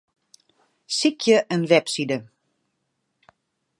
Sykje in webside.